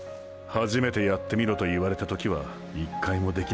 はじめてやってみろと言われた時は一回もできなかった。